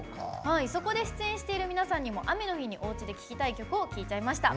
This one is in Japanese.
そこで、出演している皆さんにも雨の日におうちで聴きたい曲を聞いちゃいました。